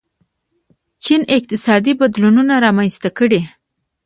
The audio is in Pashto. چین اقتصادي بدلونونه رامنځته کړي.